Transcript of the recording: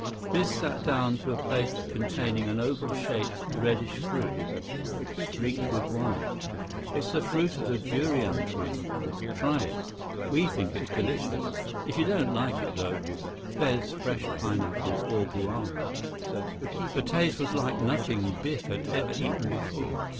Biff sat down to a plate containing an oval shaped, reddish fruit, streaked with white. "It's the fruit of the durian tree. Try it. We think it's delicious. If you don't like it, though, there's fresh pineapple or guava." 45 The taste was like nothing Biff had ever eaten before.